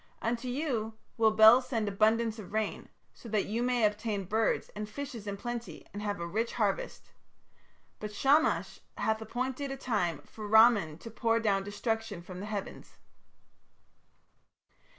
Unto you will Bel send abundance of rain, so that you may obtain birds and fishes in plenty and have a rich harvest. But Shamash hath appointed a time for Ramman to pour down destruction from the heavens.